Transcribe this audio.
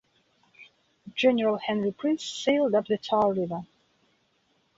General Henry Prince sailed up the Tar River.